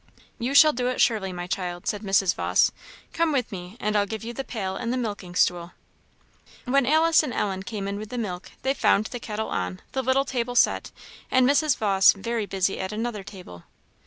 "You shall do it surely, my child," said Mrs. Vawse. "Come with me, and I'll give you the pail and the milking stool." When Alice and Ellen came in with the milk, they found the kettle on, the little table set, and Mrs. Vawse very busy at another table.